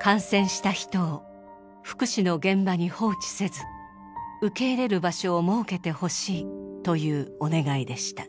感染した人を福祉の現場に放置せず受け入れる場所を設けてほしいというお願いでした。